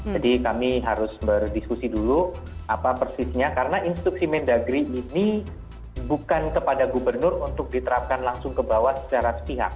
jadi kami harus berdiskusi dulu apa persisnya karena instruksi mendagri ini bukan kepada gubernur untuk diterapkan langsung ke bawah secara sepihak